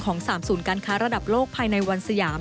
๓ศูนย์การค้าระดับโลกภายในวันสยาม